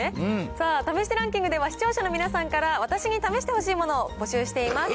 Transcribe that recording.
さあ、試してランキングでは、視聴者の皆さんから私に試してほしいものを募集しています。